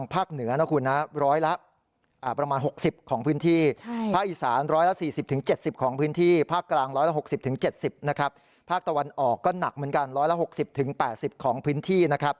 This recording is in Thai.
ภาครวันออกก็หนักเหมือนกัน๑๖๐๘๐ของพื้นที่